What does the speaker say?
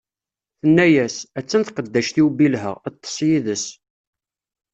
Tenna-as: a-tt-an tqeddact-iw Bilha, ṭṭeṣ yid-s.